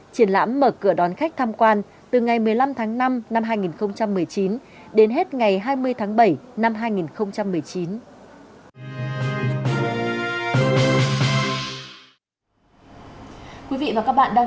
triển lãm mở cửa đón khách tham quan từ ngày một mươi năm tháng năm năm hai nghìn một mươi chín